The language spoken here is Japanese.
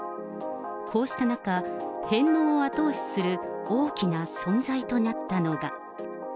こうした中、返納を後押しする大きな存在となったのが。